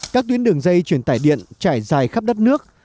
các tuyến đường dây chuyển tài điện trải dài khắp đất nước